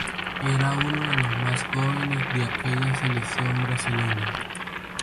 Era uno de los más jóvenes de aquella selección brasileña.